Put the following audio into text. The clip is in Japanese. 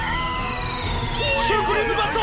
シュークリーム・バット！